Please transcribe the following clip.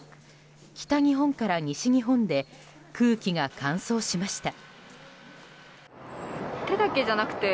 北日本から西日本で空気が乾燥しました。